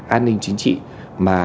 an ninh chính trị mà